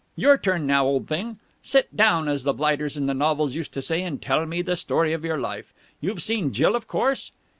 Your turn now, old thing. Sit down, as the blighters in the novels used to say, and tell me the story of your life. You've seen Jill, of course?"